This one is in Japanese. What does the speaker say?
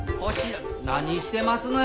何してますのや。